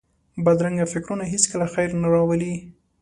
بدرنګه فکرونه هېڅکله خیر نه راولي